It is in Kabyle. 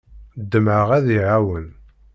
Ḍemɛeɣ ad iyi-iɛawen.